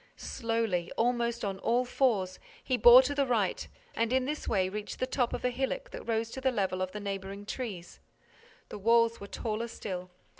Slowly, almost on all fours, he bore to the right and in this way reached the top of a hillock that rose to the level of the neighboring trees. The walls were taller still.